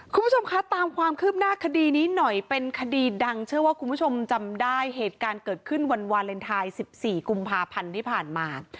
คุณผู้ชมคะตามความคืบหน้าคดีนี้หน่อยเป็นคดีดังเชื่อว่าคุณผู้ชมจำได้เหตุการณ์เกิดขึ้นวันวาเลนไทย๑๔กุมภาพันธ์ที่ผ่านมา